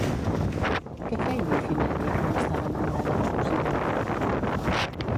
Què feia Ifimèdia quan estava enamorada de Posidó?